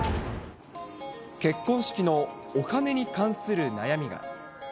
結婚式のお金に関する悩みが。